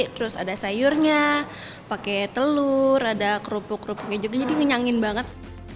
terus ada sayurnya pakai telur ada kerupuk kerupuknya juga jadi ngenyangin banget